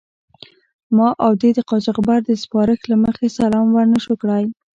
ما او دې د قاچاقبر د سپارښت له مخې سلام و نه شو کړای.